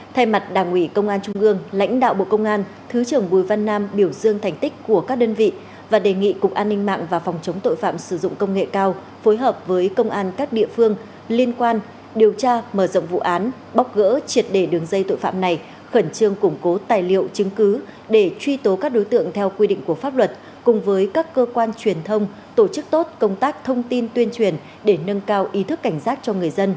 thay mặt đảng ủy công an trung ương lãnh đạo bộ công an thứ trưởng bùi văn nam biểu dương thành tích của các đơn vị và đề nghị cục an ninh mạng và phòng chống tội phạm sử dụng công nghệ cao phối hợp với công an các địa phương liên quan điều tra mở rộng vụ án bóc gỡ triệt đề đường dây tội phạm này khẩn trương củng cố tài liệu chứng cứ để truy tố các đối tượng theo quy định của pháp luật cùng với các cơ quan truyền thông tổ chức tốt công tác thông tin tuyên truyền để nâng cao ý thức cảnh giác cho